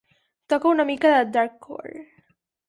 Toca una mica de darkcore.